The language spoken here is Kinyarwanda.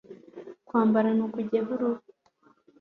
Kwambara ni Kujyaho uruhu